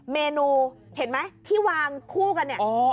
เมนูเห็นไหมที่วางคู่กันเนี่ย